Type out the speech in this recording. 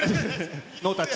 ノータッチ。